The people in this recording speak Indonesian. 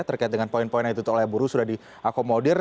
terkait dengan poin poin yang ditutup oleh buruh sudah diakomodir